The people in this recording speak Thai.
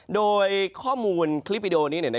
โดยข้อมูลคลิปวิดีโอนี้